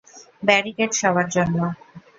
Barricade সবার জন্য।